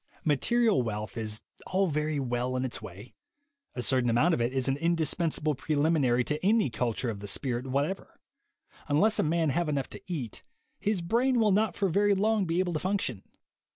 Material wealth is all very well in its way ; a certain amount of it is an indispensable prelim inary to any culture of the spirit whatever : un less a man have enough to eat, his brain will not for very long be able to function.